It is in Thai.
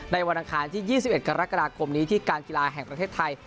วันอังคารที่๒๑กรกฎาคมนี้ที่การกีฬาแห่งประเทศไทย